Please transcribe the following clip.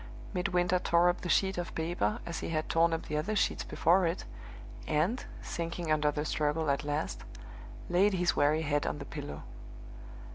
Midwinter tore up the sheet of paper as he had torn up the other sheets before it, and, sinking under the struggle at last, laid his weary head on the pillow.